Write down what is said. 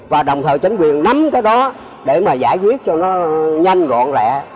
và đồng thời chính quyền nắm cái đó để giải quyết cho nó nhanh gọn rẻ